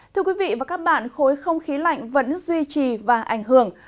thưa quý vị và các bạn khối không khí lạnh vẫn duy trì và ảnh hưởng